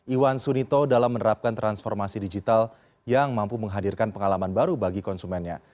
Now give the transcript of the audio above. iwan sunito dalam menerapkan transformasi digital yang mampu menghadirkan pengalaman baru bagi konsumennya